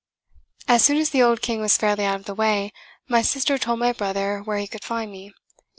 As soon as the old King was fairly out of the way, my sister told my brother where he could find me.